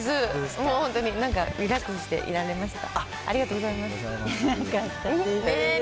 もう本当になんか、リラックスしていられました。